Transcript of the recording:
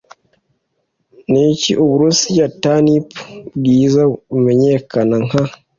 Niki Uburusiya Turnip Bwiza Bumenyekana Nka